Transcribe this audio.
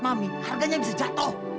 mami harganya bisa jatuh